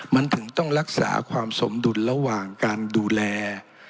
มันถึงต้องรักษาความสมดุลระหว่างการดูแล